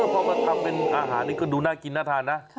พอมาทำเป็นอาหารนี่ก็ดูน่ากินน่าทานนะ